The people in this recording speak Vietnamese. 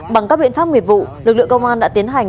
bằng các biện pháp nghiệp vụ lực lượng công an đã tiến hành